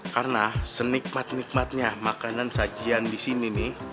karena senikmat nikmatnya makanan sajian disini nih